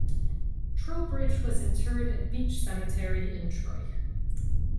Trowbridge was interred at Beach Cemetery in Troy.